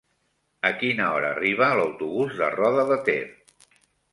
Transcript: A quina hora arriba l'autobús de Roda de Ter?